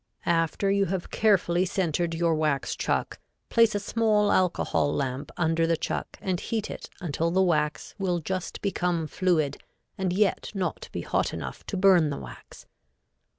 After you have carefully centered your wax chuck, place a small alcohol lamp under the chuck and heat it until the wax will just become fluid and yet not be hot enough to burn the wax.